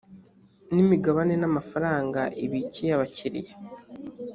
n imigabane n amafaranga ibikiye abakiriya